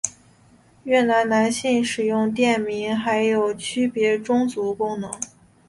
越南男性使用垫名还有区别宗族的功能。